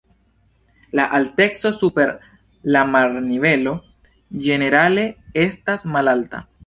La alteco super la marnivelo ĝenerale estas malalta.